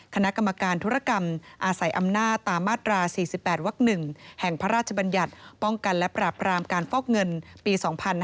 คณะกรรมการธุรกรรมอาศัยอำนาจตามมาตรา๔๘วัก๑แห่งพระราชบัญญัติป้องกันและปราบรามการฟอกเงินปี๒๕๕๙